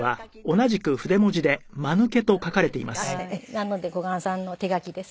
なので小雁さんの手書きです。